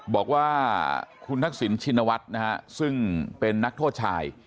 บอกว่าคุณทักษิณชินวัฒน์นะฮะซึ่งเป็นนักโทษชาย